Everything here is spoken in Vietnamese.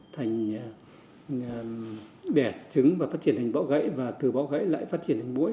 thành đẻ trứng và phát triển thành bỏ gãy và từ bỏ gãy lại phát triển thành mũi